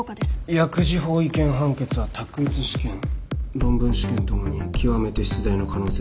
薬事法違憲判決は択一試験論文試験共に極めて出題の可能性が高い。